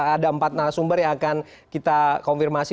ada empat narasumber yang akan kita konfirmasi